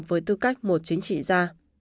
với tư cách một chính trị gia